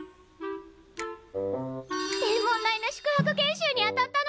天文台の宿泊研修に当たったの！